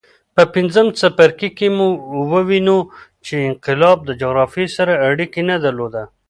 په پنځم څپرکي کې به ووینو چې انقلاب له جغرافیې سره اړیکه نه درلوده.